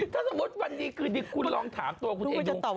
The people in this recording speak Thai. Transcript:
ถ้าสมมุติวันดีคืนดีคุณลองถามตัวคุณเองดู